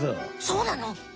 そうなの？